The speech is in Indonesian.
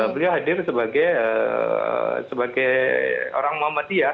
beliau hadir sebagai orang muhammadiyah